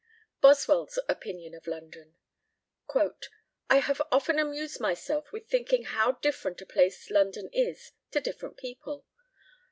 _ BOSWELL'S OPINION OF LONDON. "I have often amused myself with thinking how different a place London is to different people.